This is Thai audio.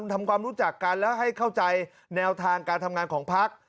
ทำความรู้จักกันแล้วให้เข้าใจแนวทางการทำงานของพัก